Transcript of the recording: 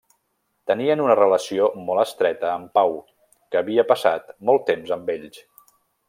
Tenien una relació molt estreta amb Pau, que havia passat molt temps amb ells.